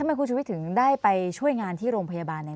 ทำไมคุณชุวิตถึงได้ไปช่วยงานที่โรงพยาบาลเนี่ย